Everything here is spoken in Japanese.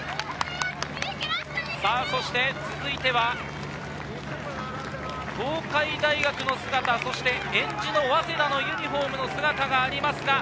続いては東海大学の姿、そして早稲田のユニホームの姿があります。